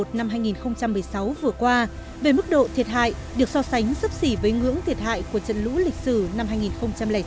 trận lũ lịch sử năm hai nghìn một mươi sáu vừa qua về mức độ thiệt hại được so sánh sấp xỉ với ngưỡng thiệt hại của trận lũ lịch sử năm hai nghìn chín